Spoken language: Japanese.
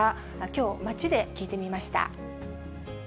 きょう、街で聞いてみました。